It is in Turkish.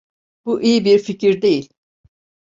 Bu iyi bir fikir değil.